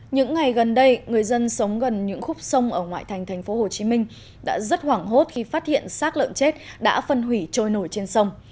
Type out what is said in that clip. những ngày gần đây người dân sống gần những khúc sông ở ngoại thành tp hcm đã rất hoảng hốt khi phát hiện sát lợn chết đã phân hủy trôi nổi trên sông